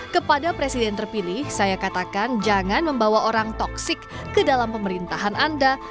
kepada presiden terpilih saya katakan jangan membawa orang toksik ke dalam pemerintahan anda